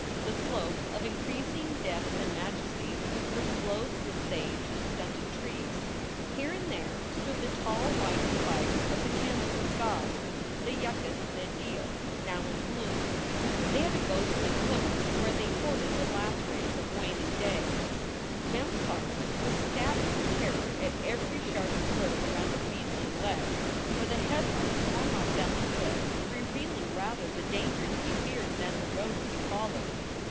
The slopes, of increasing depth and majesty, were clothed with sage and stunted trees. Here and there stood the tall white spikes of the "candles of God," the yuccas de Dios, now in bloom. They had a ghostly glimmer where they hoarded the last rays of waning day. SOULS FOR SALE 279 Mem s heart was stabbed with terror at every sharp swerve around a beetling ledge, for the headlight swung off down the cliff, revealing rather the danger to be feared than the road to be followed.